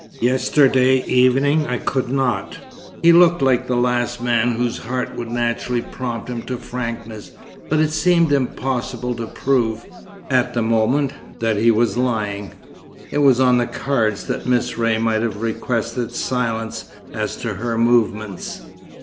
Yesterday evening I could not." He looked like the last man whose heart would naturally prompt him to frankness, but it seemed impossible to prove, at the moment, that he was lying. It was on the cards that Miss Ray might have requested silence as to her movements.